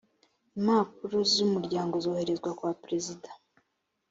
impapuro zumuryango zoherezwa kwa perezida